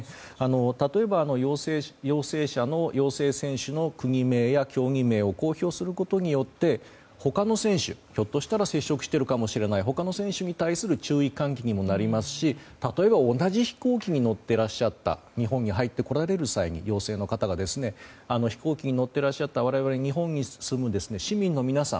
例えば、陽性選手の国名や競技名を公表することによってひょっとしたら接触しているかもしれない他の選手への注意喚起にもなりますし例えば同じ飛行機に乗っていて日本に入ってこられる際に陽性の方が飛行機に乗っていらっしゃった我々、日本に住む市民の皆さん。